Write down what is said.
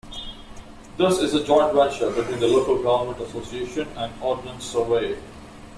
This is a joint venture between the Local Government Association and Ordnance Survey.